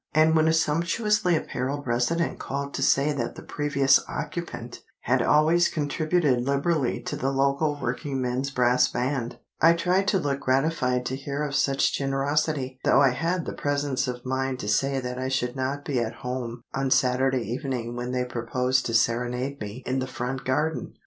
And when a sumptuously apparelled resident called to say that the previous occupant had always contributed liberally to the local working men's brass band, I tried to look gratified to hear of such generosity—though I had the presence of mind to say I should not be at home on Saturday evening when they proposed to serenade me in the front garden.